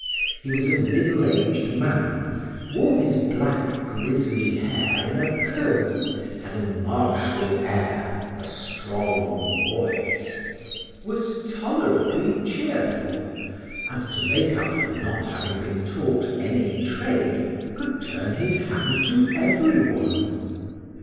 He was a middle aged man, wore his black, grizzly hair, in a queue, had a martial air, a strong voice, was tolerably cheerful, and to make up for not having been taught any trade, could turn his hand to every one.